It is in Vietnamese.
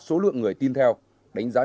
số lượng người tin theo đánh giá